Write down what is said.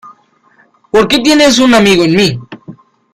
Porque tienes un amigo en mí.